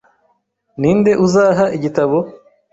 Ni nde uzaha igitabo?